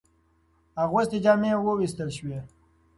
اغوستي جامې ووېستل شوې.